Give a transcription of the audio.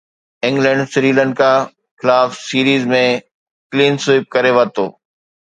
England Sri Lanka خلاف series ۾ clean sweep ڪري ورتو